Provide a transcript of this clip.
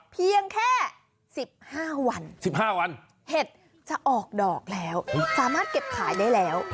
เพียงแค่๑๕วัน๑๕วันเห็ดจะออกดอกแล้วสามารถเก็บขายได้แล้ว